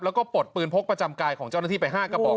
แล้วก็ปลดปืนพกประจำกายของเจ้าหน้าที่ไป๕กระบอก